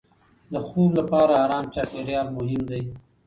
د خوب لپاره ارام چاپېریال مهم دی.